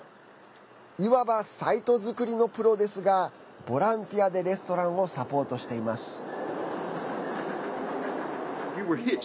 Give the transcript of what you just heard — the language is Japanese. いわば、サイト作りのプロですがボランティアでレストランをサポートしています。